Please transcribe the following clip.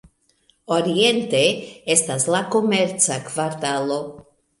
Oriente estas la komerca kvartalo.